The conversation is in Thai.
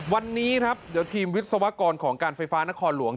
วันนี้ครับเดี๋ยวทีมวิศวกรของการไฟฟ้านครหลวง